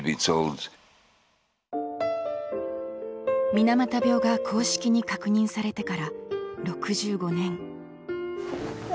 水俣病が公式に確認されてから６５年。